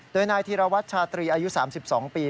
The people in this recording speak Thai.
โดยนายธีรวัตรชาตรีอายุ๓๒ปี